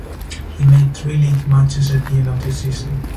He made three league matches at the end of the season.